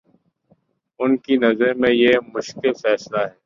ان کی نظر میں یہ مشکل فیصلے ہیں؟